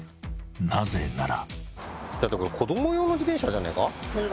［なぜなら］